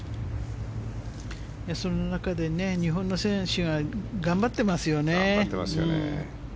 その中で日本の選手は頑張ってますよね。